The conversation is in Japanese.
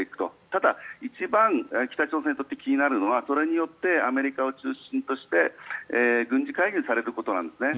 ただ、一番北朝鮮にとって気になるのはそれによってアメリカを中心として軍事介入されることなんですよね。